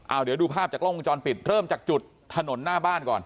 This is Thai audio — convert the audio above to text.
เอาเดี๋ยวดูภาพจากกล้องวงจรปิดเริ่มจากจุดถนนหน้าบ้านก่อน